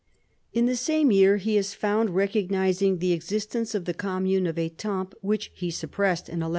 In the same year he is found recognising the existence of the commune of Etampes, which he suppressed in 1199.